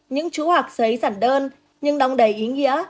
những chú hoặc giấy giản đơn nhưng đong đầy ý nghĩa